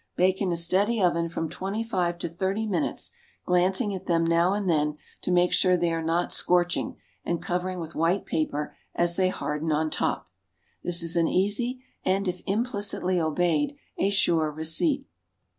Bake in a steady oven from twenty five to thirty minutes, glancing at them now and then, to make sure they are not scorching, and covering with white paper as they harden on top. This is an easy, and if implicitly obeyed, a sure receipt.